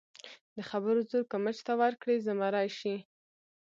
د خبرو زور که مچ ته ورکړې، زمری شي.